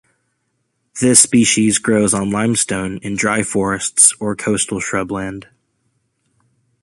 This species grows on limestone in dry forests or coastal shrubland.